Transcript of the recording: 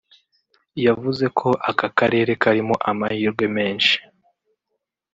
yavuze ko aka karere karimo amahirwe menshi